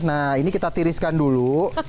nah ini kita tiriskan dulu